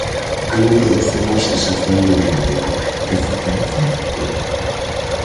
A min prodúceme unha sensación liberadora, de fortaleza e apertura.